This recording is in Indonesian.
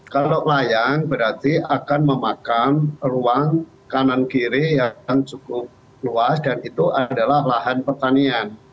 kalau layang berarti akan memakan ruang kanan kiri yang cukup luas dan itu adalah lahan pertanian